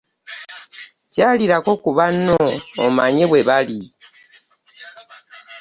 Kyalirako ku banno omanye bwe bali.